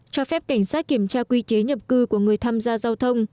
cho phép cảnh sát kiểm tra quy chế nhập cư của người tham gia giao thông